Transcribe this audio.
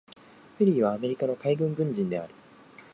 ペリーはアメリカの海軍軍人である。